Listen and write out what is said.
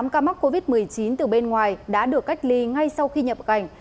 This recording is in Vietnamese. một trăm bốn mươi tám ca mắc covid một mươi chín từ bên ngoài đã được cách ly ngay sau khi nhập cảnh